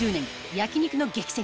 焼肉の激戦区